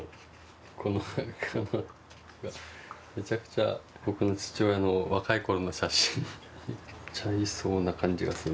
めちゃくちゃ僕の父親の若い頃の写真めっちゃいそうな感じがするんですよね。